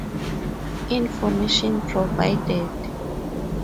Information provided.